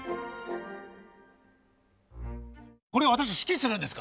これを私指揮するんですか？